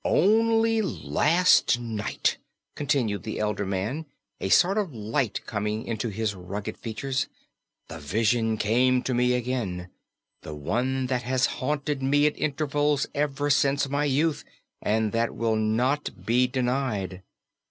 "Only last night," continued the elder man, a sort of light coming into his rugged features, "the vision came to me again the one that has haunted me at intervals ever since my youth, and that will not be denied."